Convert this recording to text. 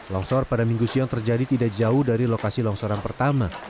longsor pada minggu siang terjadi tidak jauh dari lokasi longsoran pertama